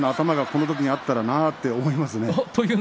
このときあったらなと思います。